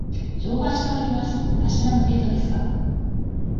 乗馬をしております。たしなむ程度ですが